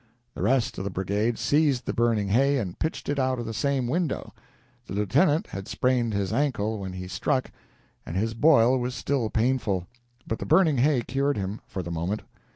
The rest of the brigade seized the burning hay and pitched it out of the same window. The lieutenant had sprained his ankle when he struck, and his boil was still painful, but the burning hay cured him for the moment.